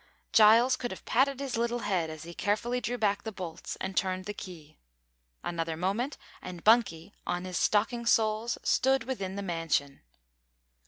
Giles could have patted his little head as he carefully drew back the bolts and turned the key. Another moment, and Bunky, on his stocking soles, stood within the mansion.